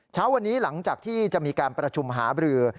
เช้าวันนี้หลังจากที่จะมีการประชุมหาบรือ